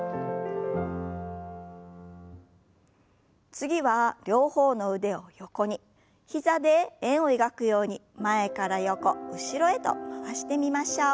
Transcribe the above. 次は両方の腕を横に膝で円を描くように前から横後ろへと回してみましょう。